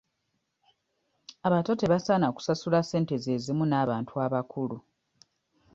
Abato tebasaana kusasula ssente ze zimu n'abantu abakulu.